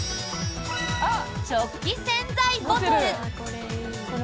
食器洗剤ボトル。